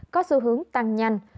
có xu hướng tăng nhanh